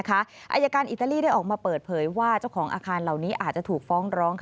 อายการอิตาลีได้ออกมาเปิดเผยว่าเจ้าของอาคารเหล่านี้อาจจะถูกฟ้องร้อง